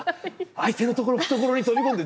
相手の懐に飛び込んで」。